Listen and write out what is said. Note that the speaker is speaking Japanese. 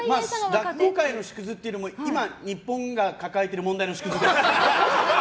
落語界の縮図というよりも今、日本が抱えてる問題の縮図です。